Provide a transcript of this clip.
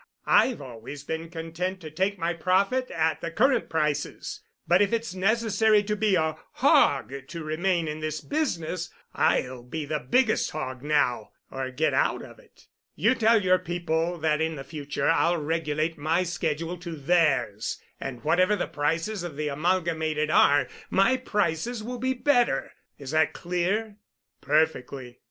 I've always been content to take my profit at the current prices. But if it's necessary to be a hog to remain in this business, I'll be the biggest hog now or get out of it. You tell your people that in future I'll regulate my schedule to theirs, and whatever the prices of the Amalgamated are, my prices will be better. Is that clear?" "Perfectly.